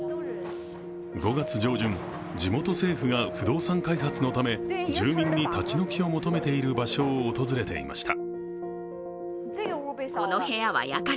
５月上旬、地元政府が不動産開発のため、住民に立ち退きを求めている場所を訪れていました。